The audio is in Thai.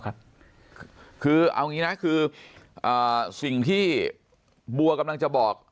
คือเอางี้นะคือสิ่งที่บัวกำลังจะบอก